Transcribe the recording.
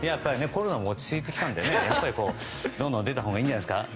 コロナも落ち着いてきたのでどんどん出たほうがいいんじゃないですか？